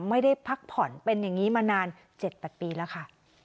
ไม่ได้พักผ่อนเป็นอย่างนี้มานาน๗๘ปีแล้วค่ะ